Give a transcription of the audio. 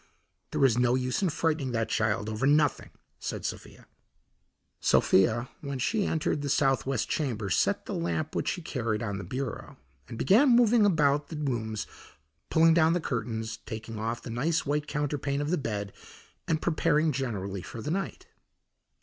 "There is no use in frightening that child over nothing," said Sophia. Sophia, when she entered the southwest chamber, set the lamp which she carried on the bureau, and began moving about the rooms pulling down the curtains, taking off the nice white counterpane of the bed, and preparing generally for the night.